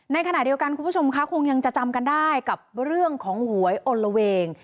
ในขณะเดียวกันคุณผู้ชมคะคงยังจะจำกันได้กับเรื่องของหวยอลละเวง